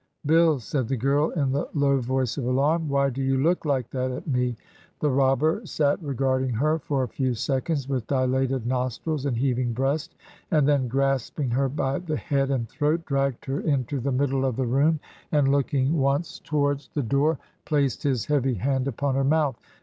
... 'Bill,' said the girl, in the low voice of alarm, 'why do you look like that at me?' The robber sat regarding her, for a few seconds, with dilated nostrils and heaving breast; and then, grasp ing her by the head and throat, dragged her into the middle of the room, and, looking once towards the 133 Digitized by VjOOQIC HEROINES OF FICTION door, placed his heavy hand upon her mouth.